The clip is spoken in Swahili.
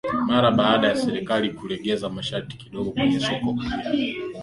Mara baada ya serikali kulegeza masharti kidogo kwenye soko huria